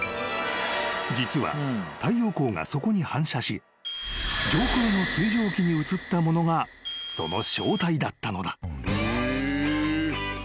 ［実は太陽光がそこに反射し上空の水蒸気に映ったものがその正体だったのだ］